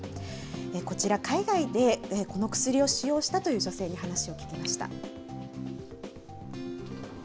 こちら、海外でこの薬を使用したという女性に、話を聞きました。